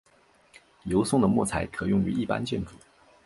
油松的木材可用于一般建筑。